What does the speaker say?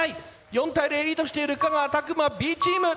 ４対０リードしている香川詫間Ｂチーム。